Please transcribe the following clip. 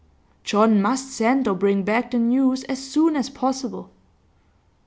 John must send or bring back the news as soon as possible.